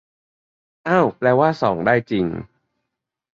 อ้าวแปลว่าส่องได้จริง